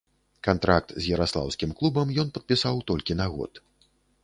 Кантракт з яраслаўскім клубам ён падпісаў толькі на год.